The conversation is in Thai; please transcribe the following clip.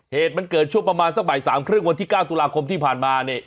เหตุมันเกิดช่วงประมาณสักบ่ายสามครึ่งวันที่๙ตุลาคมที่ผ่านมาเนี่ย